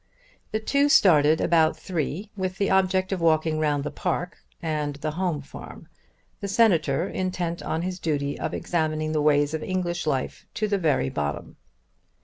The two started about three with the object of walking round the park and the home farm the Senator intent on his duty of examining the ways of English life to the very bottom.